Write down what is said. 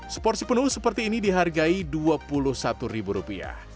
seporsi penuh seperti ini dihargai rp dua puluh satu